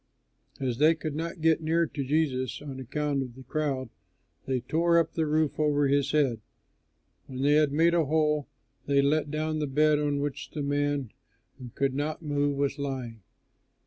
As they could not get near to Jesus on account of the crowd, they tore up the roof over his head. When they had made a hole, they let down the bed on which the man who could not move was lying.